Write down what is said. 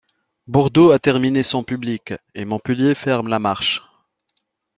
Bordeaux a terminé son public, et Montpellier ferme la marche.